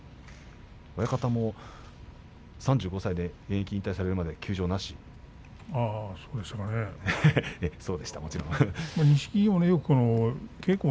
親方も３５歳、現役を引退されるまで、休場はなしなんですが。